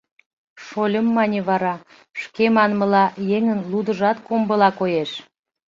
— Шольым, — мане вара, — шке манмыла, еҥын лудыжат комбыла коеш.